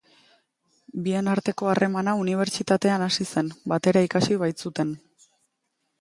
Bien arteko harremana unibertsitatean hasi zen, batera ikasi baitzuten.